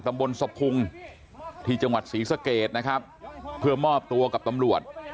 ตำบลสะพุงที่จังหวัดศรีสะเกดนะครับเพื่อมอบตัวกับตำรวจ